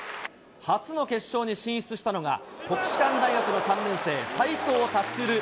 初の決勝に進出したのが、国士舘大学の３年生、斉藤立。